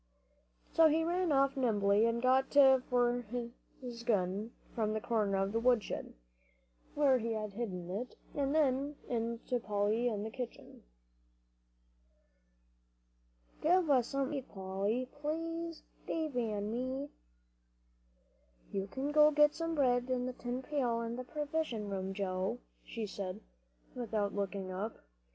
_" So he ran off nimbly and got his gun from the corner of the woodshed, where he had hidden it, and then in to Polly in the kitchen. "Give us somethin' to eat, Polly, please. Dave an' me." "You can get some bread in the tin pail in the provision room, Joe," she said, without looking up.